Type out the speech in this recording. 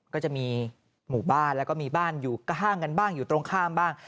ก็จะมีหมู่บ้านแล้วก็มีบ้านอยู่ข้างกันบ้างอยู่ตรงข้ามบ้าง